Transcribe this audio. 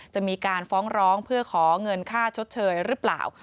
จะมีการฟ้องร้องเพื่อขอเงินค่าชดเชยหรือเปล่า